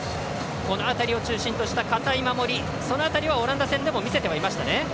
この辺りを中心とした堅い守りその辺りはオランダ戦でも見せてはいましたね。